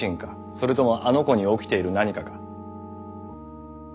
それともあの子に起きている何かか？